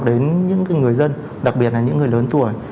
đến những người dân đặc biệt là những người lớn tuổi